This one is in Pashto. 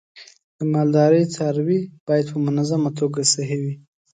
د مالدارۍ څاروی باید په منظمه توګه صحي وي.